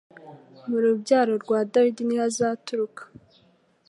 murubyaro rwa dawidi niho azaturuka